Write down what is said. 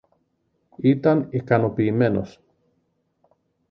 ήταν ικανοποιημένος